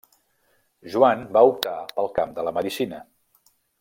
Joan va optar pel camp de la medicina.